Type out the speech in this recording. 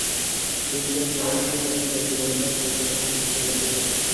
তিনি ছিলেন জনপ্রিয় তারকা জুবেইদা, সুলতানা এবং শেহজাদির মা ।